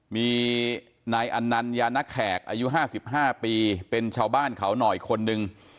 มีนายอันนันยานักแขกอายุ๕๕ปีเป็นชาวบ้านเขาหน่อยคนหนึ่ง